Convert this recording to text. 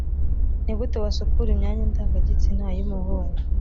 Ni gute wasukura imyanya ndangagitsina y umuhungu